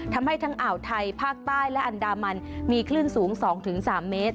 ทำให้ทั้งอ่าวไทยภาคใต้และอันดามันมีคลื่นสูง๒๓เมตร